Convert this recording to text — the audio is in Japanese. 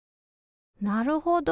なるほど。